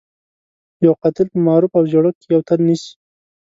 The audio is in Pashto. يو قاتل په معروف او زيړوک کې يو تن نيسي.